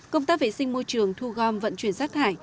công tác vệ sinh môi trường thu gom vận chuyển rác thải